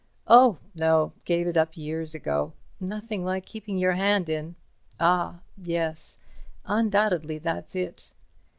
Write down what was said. Oh, no, gave it up years ago. Nothing like keeping your hand in. Ah—yes, undoubtedly that's it.